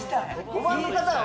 ５番の方は。